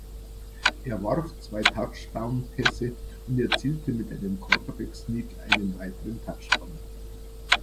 Er warf zwei Touchdownpässe und erzielte mit einem Quarterback Sneak einen weiteren Touchdown.